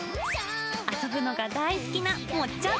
遊ぶのが大好きなもっちゃん。